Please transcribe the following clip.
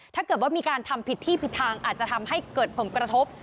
ถ้าเกิดว่ามีการทำผิดที่ผิดทางอาจจะทำให้เกิดผลกระทบ